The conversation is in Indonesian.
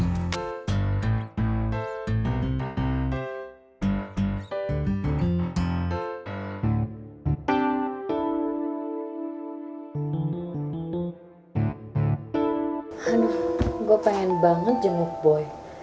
aduh gua pengen banget jemuk boy